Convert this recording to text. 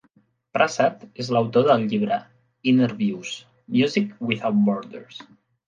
Prasad és l'autor del llibre "Innerviews: Music Without Borders".